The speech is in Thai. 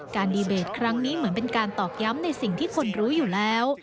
ดีเบตครั้งนี้เหมือนเป็นการตอกย้ำในสิ่งที่คนรู้อยู่แล้ว